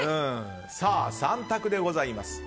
３択でございます。